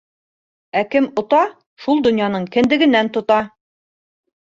Ә кем ота - шул донъяның кендегенән тота...